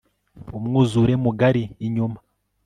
Umwuzure mugari inyuma